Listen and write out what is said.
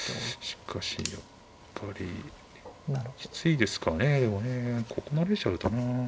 しかしやっぱりきついですかねでもねここ成れちゃうとな。